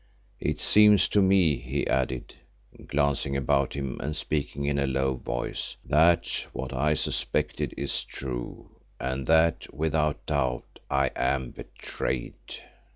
It seems to me," he added, glancing about him and speaking in a low voice, "that what I suspected is true and that without doubt I am betrayed."